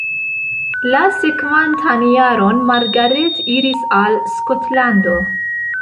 La sekvantan jaron Margaret iris al Skotlando.